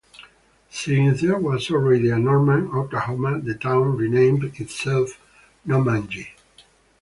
Since there was already a Norman, Oklahoma, the town renamed itself Normangee.